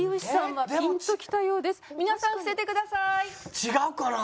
違うかな？